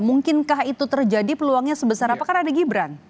mungkinkah itu terjadi peluangnya sebesar apa kan ada gibran